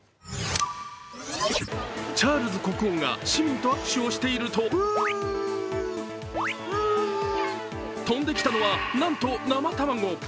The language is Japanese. チャールズ国王が市民と握手をしていると飛んできたのは、なんと生卵。